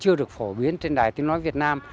chưa được phổ biến trên đài tiếng nói việt nam